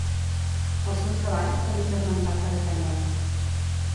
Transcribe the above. El seu treball també és esmentat per Ateneu.